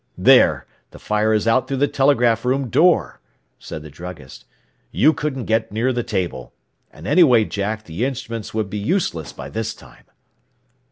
"There! The fire is out through the telegraph room door," said the druggist. "You couldn't get near the table. And anyway, Jack, the instruments would be useless by this time."